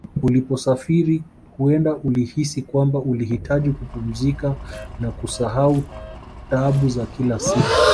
Uliposafiri huenda ulihisi kwamba ulihitaji kupumzika na kusahau taabu za kila siku